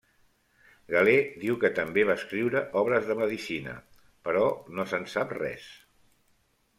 Galè diu que també va escriure obres de medicina però no se'n sap res.